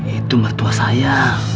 itu mertua saya